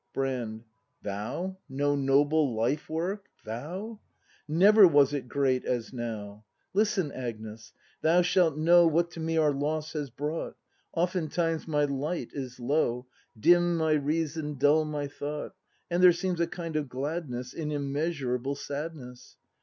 Brand. Thou no noble life work! Thou! Never was it great as now. Listen, Agnes; thou shalt know What to me our loss has brought. Oftentimes my light is low. Dim my reason, dull my thought. And there seems a kind of gladness In immeasurable sadness.